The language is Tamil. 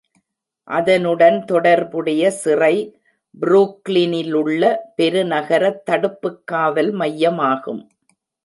அதனுடன் தொடர்புடைய சிறை புரூக்ளினிலுள்ள பெருநகர தடுப்புக்காவல் மையமாகும்.